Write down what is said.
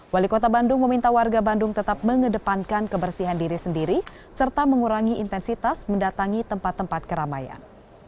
wali kota bandung meminta warga bandung tetap mengedepankan kebersihan diri sendiri serta mengurangi intensitas mendatangi tempat tempat keramaian